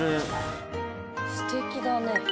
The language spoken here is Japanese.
すてきだね。